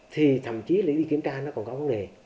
thì thậm chí là đi kiểm tra nó còn có vấn đề